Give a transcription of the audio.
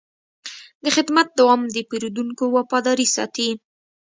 د خدمت دوام د پیرودونکو وفاداري ساتي.